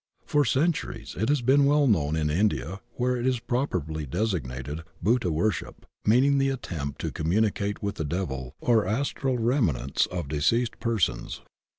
For centuries it has been well known in India where it is properly designated "bhuta worship," meaning the attempt to conununicate with the devil or Astral remnants of deceased persons.